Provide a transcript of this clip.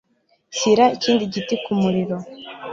Shyira ikindi giti ku muriro.